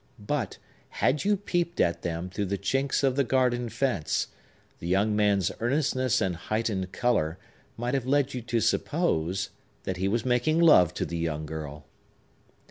But, had you peeped at them through the chinks of the garden fence, the young man's earnestness and heightened color might have led you to suppose that he was making love to the young girl!